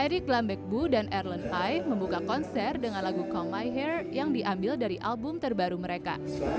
eric lambeck boo dan erlen ai membuka konser dengan lagu call my hair yang diambil dari album terbaru mereka